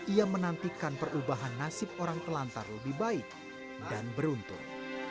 ia menantikan perubahan nasib orang telantar lebih baik dan beruntung